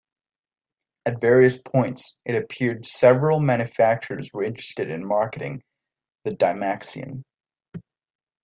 At various points, it appeared several manufacturers were interested in marketing the Dymaxion.